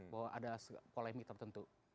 bahwa ada polemik tertentu